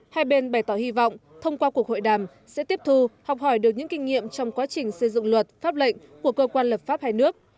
hai bên bày tỏ hy vọng thông qua cuộc hội đàm sẽ tiếp thu học hỏi được những kinh nghiệm trong quá trình xây dựng luật pháp lệnh của cơ quan lập pháp hai nước